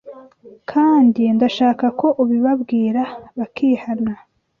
kandi ndashaka ko ubibabwira bakihana